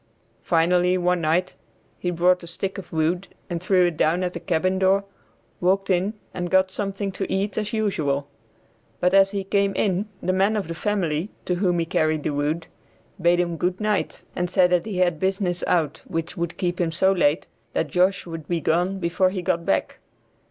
Finally one night he brought a stick of wood and threw it down at a cabin door, walked in and got something to eat as usual. But as he came in, the man of the family, to whom he carried the wood, bade him good night, and said that he had business out which would keep him so late, that Josh would be gone before he got back.